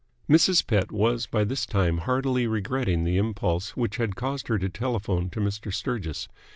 Mrs. Pett was by this time heartily regretting the impulse which had caused her to telephone to Mr. Sturgis.